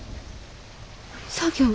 作業？